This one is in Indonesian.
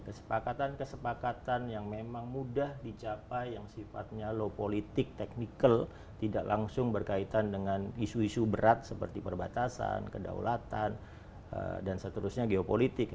kesepakatan kesepakatan yang memang mudah dicapai yang sifatnya low politik technical tidak langsung berkaitan dengan isu isu berat seperti perbatasan kedaulatan dan seterusnya geopolitik